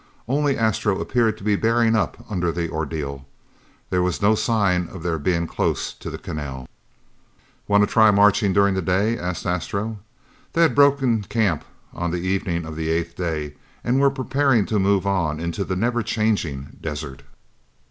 Only Astro appeared to be bearing up under the ordeal. There was no sign of their being close to the canal. "Wanta try marching during the day?" asked Astro. They had broken camp on the evening of the eighth day and were preparing to move on into the never changing desert.